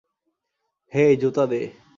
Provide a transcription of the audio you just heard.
হেই, জুতা দে।